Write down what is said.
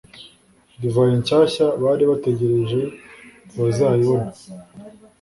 divayi nshyashya bari bategereje ntibazayibona.